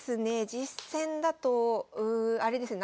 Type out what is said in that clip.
実戦だとあれですね